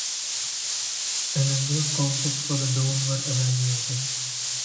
A number of concepts for the dome were evaluated.